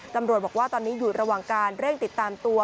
ตำรวจบอกว่าตอนนี้อยู่ระหว่างการเร่งติดตามตัว